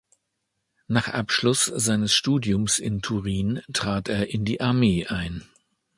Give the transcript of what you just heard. Nach Abschluss seines Studiums in Turin trat er in die Armee ein.